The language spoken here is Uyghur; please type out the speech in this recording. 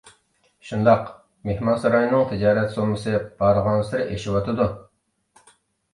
شۇنداق، مېھمانساراينىڭ تىجارەت سوممىسى بارغانسېرى ئېشىۋاتىدۇ.